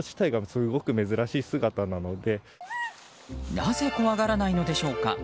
なぜ怖がらないのでしょうか。